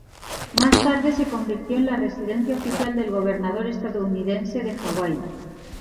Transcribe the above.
Más tarde se convirtió en la residencia oficial del Gobernador estadounidense de Hawái.